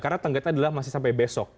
karena tenggeta adalah masih sampai besok